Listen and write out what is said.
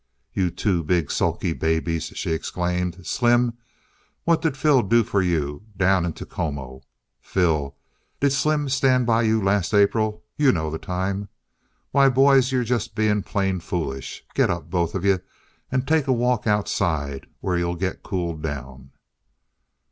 "You two big sulky babies!" she exclaimed. "Slim, what did Phil do for you down in Tecomo? Phil, did Slim stand by you last April you know the time? Why, boys, you're just being plain foolish. Get up, both of you, and take a walk outside where you'll get cooled down."